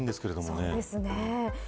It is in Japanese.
そうですね。